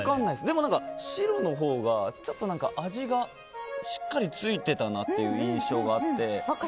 でも、白のほうがちょっと味がしっかりついてたなという印象があって。